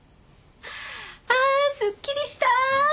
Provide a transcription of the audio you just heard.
ああすっきりした！